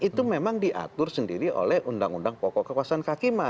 itu memang diatur sendiri oleh undang undang pokok kekuasaan kehakiman